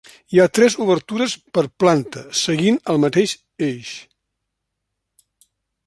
Hi ha tres obertures per planta seguint el mateix eix.